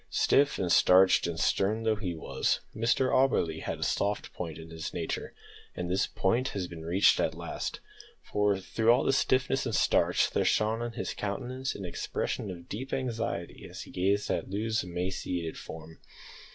Stiff and starched and stern though he was, Mr Auberly, had a soft point in his nature, and this point had been reached at last, for through all the stiffness and starch there shone on his countenance an expression of deep anxiety as he gazed at Loo's emaciated form.